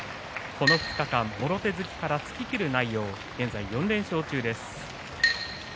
この２日間、もろ手突きから突ききる内容で４連勝中です。